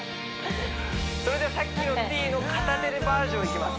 それではさっきのＴの片手バージョンいきます